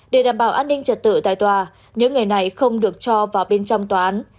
để đảm bảo an ninh trật tự tại tòa những người này không được cho vào bên trong tòa án